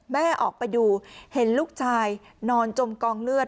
แม่ออกไปดูเห็นลูกชายนอนจมกองเลือด